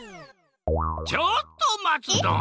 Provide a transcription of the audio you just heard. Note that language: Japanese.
ちょっとまつドン！